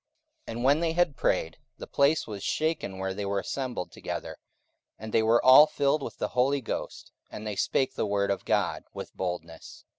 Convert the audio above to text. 44:004:031 And when they had prayed, the place was shaken where they were assembled together; and they were all filled with the Holy Ghost, and they spake the word of God with boldness.